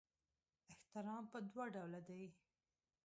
احترام په دوه ډوله دی.